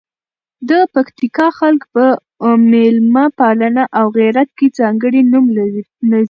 د پکتیکا خلګ په میلمه پالنه او غیرت کې ځانکړي نوم لزي.